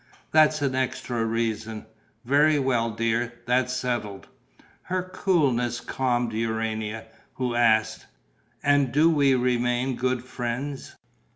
"That's an extra reason." "Very well, dear, that's settled." Her coolness calmed Urania, who asked: "And do we remain good friends?"